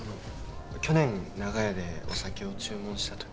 去年長屋でお酒を注文した時。